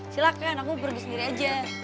silahkan aku pergi sendiri aja